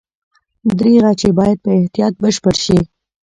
دریغه چې باید په احتیاط بشپړ شي.